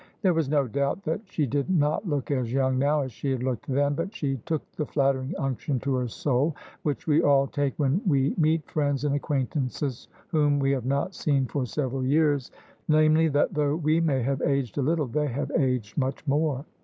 There was no doubt that she did not look as young now as she had looked then ; but she took the flattering unction to her soul which we all take when we THE SUBJECTION meet friends and acquaintances whom we have not seen for several years — ^namely, that though we may have aged a little, they have aged much more.